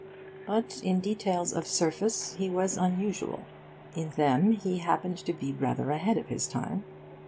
But in details of surface he was unusual. In them he happened to be rather ahead of his time.